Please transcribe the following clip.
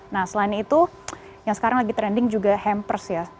nah selain itu yang sekarang lagi trending juga hampers ya